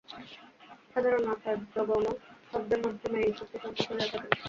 সাধারণ আচার্যগণও শব্দের মাধ্যমে এই শক্তি সঞ্চার করিয়া থাকেন।